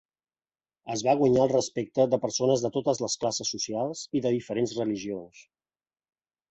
Es va guanyar el respecte de persones de totes les classes socials i de diferents religions.